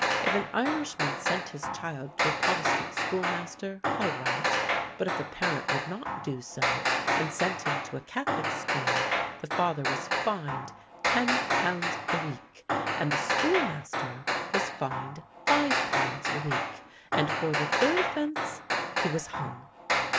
If an Irishman sent his child to a Protestant schoolmaster, all right; but if the parent would not do so, and sent him to a Catholic school, the father was fined ten pounds a week; and the schoolmaster was fined five pounds a week; and for the third offense he was hung!